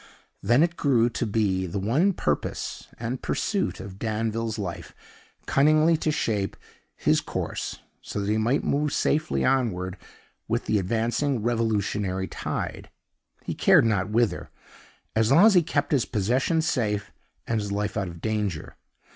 Then it grew to be the one purpose and pursuit of Danville's life cunningly to shape his course so that he might move safely onward with the advancing revolutionary tide he cared not whither, as long as he kept his possessions safe and his life out of danger.